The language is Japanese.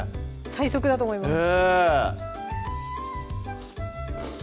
最速だと思います